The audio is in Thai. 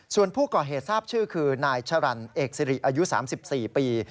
ส่วนผู้ก่อเหตุทราบชื่อคือนายชรันเอกสิริอายุ๓๔ปี